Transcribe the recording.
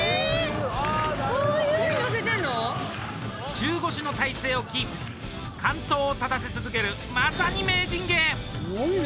中腰の体勢をキープし竿燈を立たせ続けるまさに名人芸！